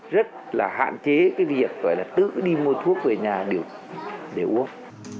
rất là hạn chế cái việc phải là tự đi mua thuốc về nhà để uống